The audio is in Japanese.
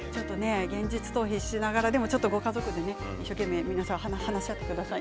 現実逃避しながらでも、ご家族一生懸命皆さん話し合ってください。